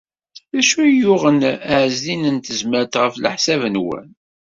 D acu ay yuɣen Ɛezdin n Tezmalt, ɣef leḥsab-nwen?